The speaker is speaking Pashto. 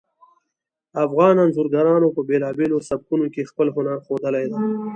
افغان انځورګرانو په بیلابیلو سبکونو کې خپل هنر ښودلی ده